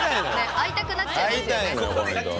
会いたくなっちゃいますよね。